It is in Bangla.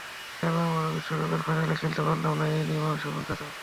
কেন আমরা বিশ্বকাপের ফাইনালে খেলতে পারলাম না—এ নিয়েও মানুষের মধ্যে আছে আফসোস।